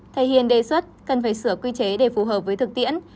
thầy hiền đề xuất cần phải sửa quy chế để phù hợp với thực tiễn